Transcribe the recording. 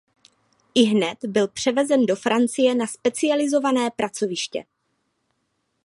Ihned byl převezen do Francie na specializované pracoviště.